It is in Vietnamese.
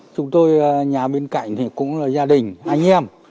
chúng tôi nhà bên cạnh thì cũng là gia đình anh em